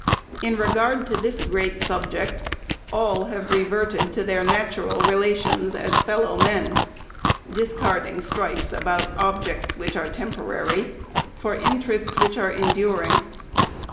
In regard to this great subject, all have reverted to their natural relations as fellow men ; discarding strifes about objects which are temporary, for interests which are en during.